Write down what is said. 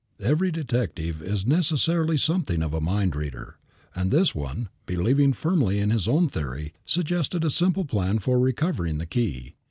Every detective is necessarily something of a mind reader, and this one, believing firmly in his own theory, suggested a simple plan for recovering the key.